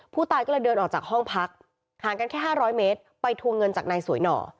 ผู้ตายก็เลยเดินออกจากห้องพักห่างกันแค่๕๐๐เมตรไปทวงเงินจากนายสวยหน่อ